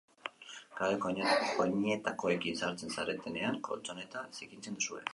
Kaleko oinetakoekin sartzen zaretenean koltxoneta zikintzen duzue.